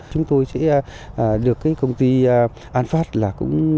chúng tôi sẽ được cái công ty an phát là cũng